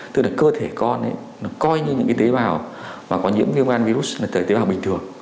tức là cơ thể con nó coi như những tế bào mà có nhiễm viêm gan virus là tế bào bình thường